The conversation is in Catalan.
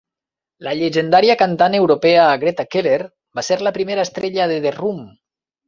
La llegendària cantant europea Greta Keller va ser la primera estrella de The Room.